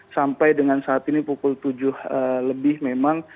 sampai dengan saat ini pukul tujuh lebih memang